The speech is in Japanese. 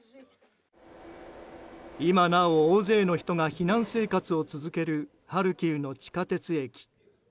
今なお大勢の人が避難生活を続けるハルキウの地下鉄駅。